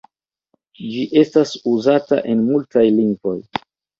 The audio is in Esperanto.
Ĝi estas uzata en multaj lingvoj.